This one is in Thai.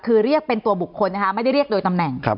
คือเรียกเป็นตัวบุคคลนะคะไม่ได้เรียกโดยตำแหน่ง